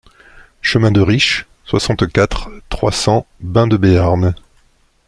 Chemin de Riche, soixante-quatre, trois cents Baigts-de-Béarn